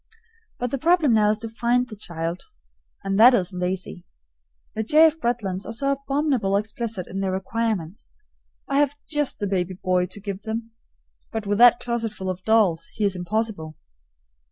But the problem now is to find the child, and that isn't easy. The J. F. Bretlands are so abominably explicit in their requirements. I have just the baby boy to give them; but with that closetful of dolls, he is impossible.